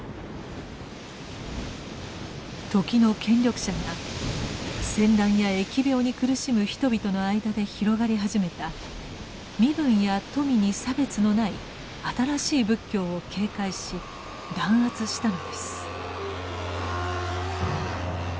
時の権力者が戦乱や疫病に苦しむ人々の間で広がり始めた身分や富に差別のない新しい仏教を警戒し弾圧したのです。